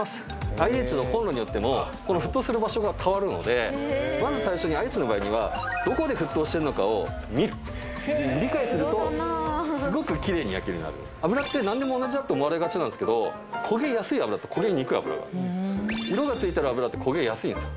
ＩＨのコンロによってもこの沸騰する場所が変わるのでまず最初にＩＨの場合にはどこで沸騰してるのかを見る理解するとすごくキレイに焼けるようになる油って何でも同じだと思われがちなんですけど焦げやすい油と焦げにくい油がある色がついてる油って焦げやすいんですよ